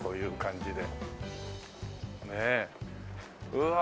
うわ！